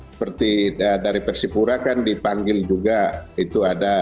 seperti dari persipura kan dipanggil juga itu ada